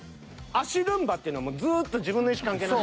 足ルンバっていうのはもうずっと自分の意思関係なく。